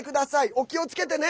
お気をつけてね！